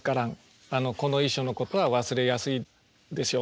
この遺書のことは忘れやすいでしょうね。